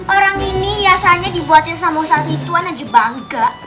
orang ini biasanya dibuatin sama usaha hituan aja bangga